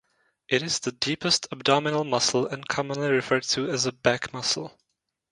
It is the deepest abdominal muscle and commonly referred to as a back muscle.